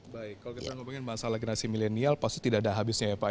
baik kalau kita ngomongin masalah generasi milenial pasti tidak ada habisnya ya pak